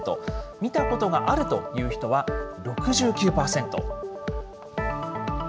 見たことがあるという人は６９％。